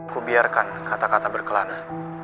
ku biarkan kata kata berkelana